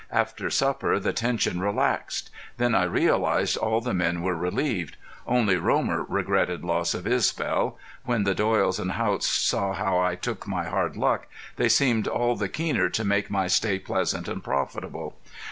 After supper the tension relaxed. Then I realized all the men were relieved. Only Romer regretted loss of Isbel. When the Doyles and Haughts saw how I took my hard luck they seemed all the keener to make my stay pleasant and profitable.